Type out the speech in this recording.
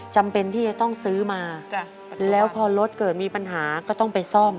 จำเป็นที่จะต้องซื้อมาแล้วพอรถเกิดมีปัญหาก็ต้องไปซ่อม